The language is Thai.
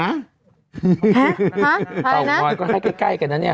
เจ้าของอำนวยก็ให้ใกล้กับนั้นเนี่ย